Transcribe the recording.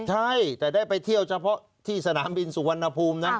ใช่แต่ได้ไปเที่ยวเฉพาะที่สนามบินสุวรรณภูมินะ